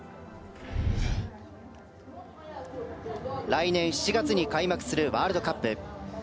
来年７月に開幕するワールドカップ。